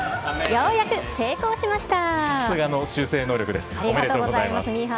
ようやく、成功しました。